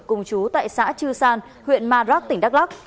cùng chú tại xã trư san huyện ma rắc tỉnh đắk lắc